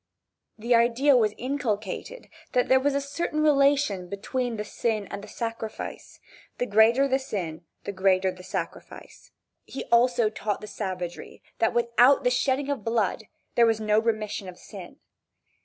The idea was inculcated that there was a certain relation between the sin and the sacrifice, the greater the sin, the greater the sacrifice. He also taught the savagery that without the shedding of blood there was no remission of sin.